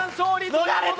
逃れた！